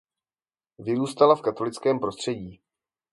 Vyrůstala v katolickém prostředí.